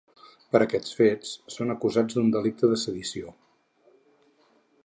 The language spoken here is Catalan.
Per aquests fets, són acusats d’un delicte de sedició.